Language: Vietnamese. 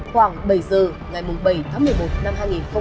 khoảng bảy giờ ngày bảy tháng một mươi một năm hai nghìn một mươi bảy